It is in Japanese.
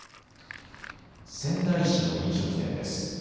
仙台市の飲食店です。